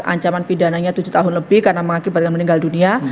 ancaman pidananya tujuh tahun lebih karena mengakibatkan meninggal dunia